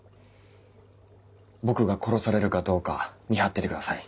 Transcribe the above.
僕が殺されるかどうか見張っててください。